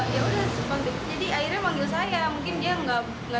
jadi akhirnya manggil saya mungkin dia gak sempat ngejar